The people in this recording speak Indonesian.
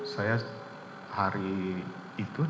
saya hari itu di tkp